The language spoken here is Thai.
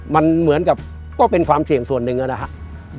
มันเหมือนกับก็เป็นความเสี่ยงส่วนหนึ่งนะครับ